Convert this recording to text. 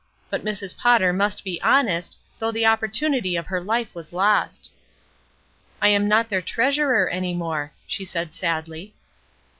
But Mrs. Potter must be honest, though the opportunity of her life was lost. "I am not their treasurer any more/' she said sadly.